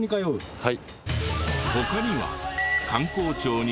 はい。